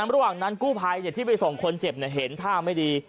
ระหว่างนั้นกู้ภัยที่ไปส่งคนเจ็บเห็นท่าไม่ดี